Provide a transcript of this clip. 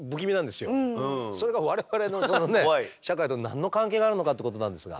それが我々の社会と何の関係があるのかってことなんですが。